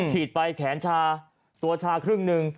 ฉีดไปแขนชาตัวชาครึ่งหนึ่ง